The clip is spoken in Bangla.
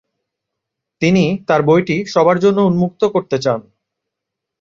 তিনি তার বইটি সবার জন্য উম্মুক্ত করতে চান।